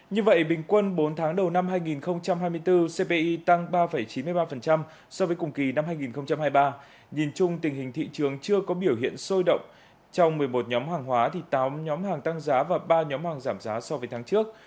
như vậy bình quân bốn tháng đầu năm hai nghìn hai mươi bốn cpi tăng ba chín mươi ba so với cùng kỳ năm hai nghìn hai mươi ba nhìn chung tình hình thị trường chưa có biểu hiện sôi động trong một mươi một nhóm hàng hóa thì tám nhóm hàng tăng giá và ba nhóm hàng giảm giá so với tháng trước